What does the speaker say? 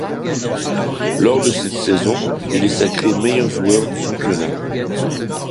Lors de cette saison, il est sacré meilleur joueur du championnat.